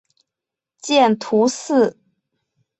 见图四。